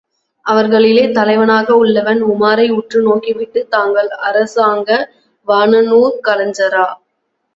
அவர்களிலே தலைவனாக உள்ளவன் உமாரை உற்று நோக்கிவிட்டு, தாங்கள் அரசாங்க வானநூற் கலைஞரா?